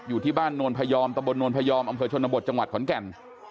อยู่ที่บ้านนวลพยอมตะบนนวลพยอมอำเภอชนบทจังหวัดขอนแก่น